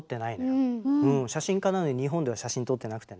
写真家なのに日本では写真撮ってなくてね。